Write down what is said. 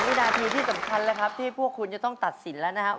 ถึงวินาทีที่สำคัญที่พวกคุณต้องตัดสินแล้วนะครับ